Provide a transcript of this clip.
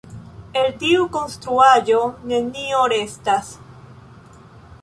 El tiu konstruaĵo, nenio restas.